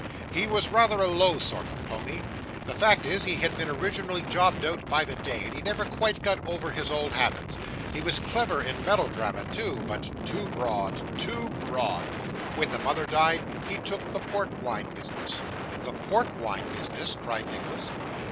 'He was rather a low sort of pony. The fact is, he had been originally jobbed out by the day, and he never quite got over his old habits. He was clever in melodrama too, but too broad too broad. When the mother died, he took the port wine business.' 'The port wine business!' cried Nicholas.